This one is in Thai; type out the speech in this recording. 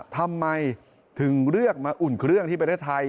ทำไมถึงเลือกมาอุ่นเครื่องที่ประเทศไทย